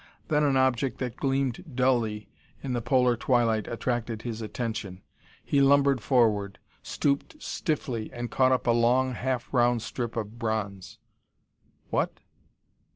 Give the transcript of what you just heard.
Then an object that gleamed dully in the polar twilight attracted his attention. He lumbered forward, stooped stiffly and caught up a long, half round strip of bronze. "What?